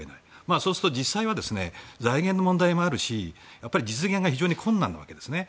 そうすると実際は財源の問題もあるし実現が非常に困難なわけですね。